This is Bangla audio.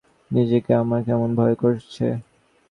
নিজেকে আমার কেমন ভয় করছে।